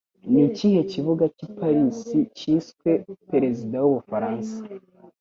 Ni ikihe kibuga cy'i Paris cyiswe Perezida w'Ubufaransa?